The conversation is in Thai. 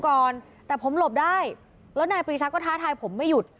ก่อนแต่ผมหลบได้แล้วนายปรีชาก็ท้าทายผมไม่หยุด